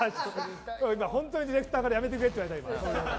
本当にディレクターからやめてくれって言われた。